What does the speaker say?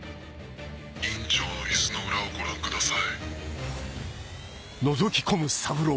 院長のイスの裏をご覧ください。